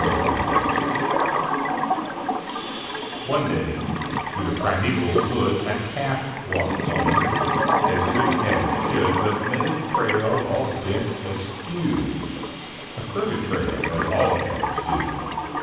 0 Autoplay One day, through the primeval wood, A calf walked home, as good calves should; But made a trail all bent askew, A crooked trail as all calves do.